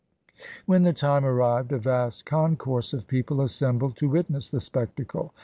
When the time arrived, a vast concourse of people assembled to witness the spectacle.